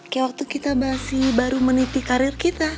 kayak waktu kita masih baru meniti karir kita